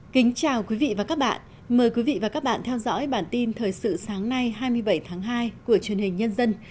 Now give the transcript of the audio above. chào mừng quý vị đến với bản tin thời sự sáng nay hai mươi bảy tháng hai của truyền hình nhân dân